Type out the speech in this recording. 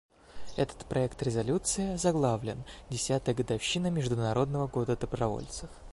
Этот проект резолюции озаглавлен «Десятая годовщина Международного года добровольцев».